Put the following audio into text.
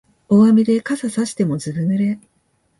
大雨で傘さしてもずぶ濡れ